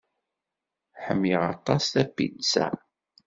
Ḥemmleɣ aṭas tapizza.